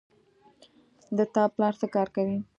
د تا پلار څه کار کوی